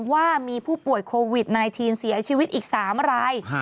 ว่ามีผู้ป่วยโควิด๑๙เสียชีวิตอีก๓ราย